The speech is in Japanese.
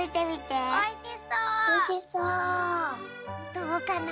どうかな？